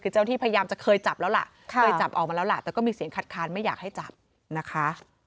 คือเจ้าที่พยายามจะเคยจับแล้วล่ะเคยจับออกมาแล้วล่ะแต่ก็มีเสียงคัดค้านไม่อยากให้จับนะคะ